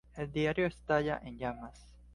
El diario estalla en llamas.